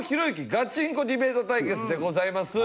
ガチンコディベート対決でございます。